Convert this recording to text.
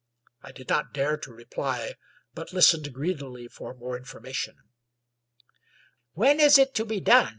I did not dare to reply, but listened greedily for more information. " When is it to be done?"